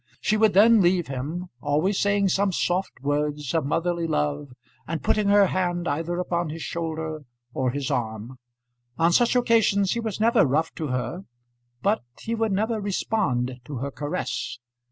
She would then leave him, always saying some soft words of motherly love, and putting her hand either upon his shoulder or his arm. On such occasions he was never rough to her, but he would never respond to her caress.